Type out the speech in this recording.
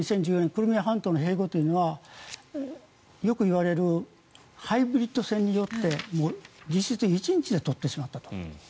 クリミア半島の併合というのはよく言われるハイブリッド戦によって実質、１日で取ってしまったと。